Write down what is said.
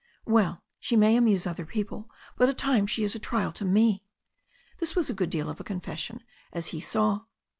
"Well, she may amuse other people, but at times she is a trial to me." This was a good deal of a confession, as he saw.